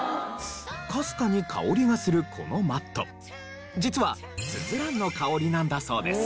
かすかに香りがするこのマット実はスズランの香りなんだそうです。